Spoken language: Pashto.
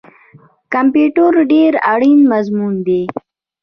کمپیوټر ډیر اړین مضمون دی